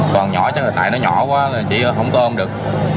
còn nhỏ chắc là tại nó nhỏ quá là chị không có ôm được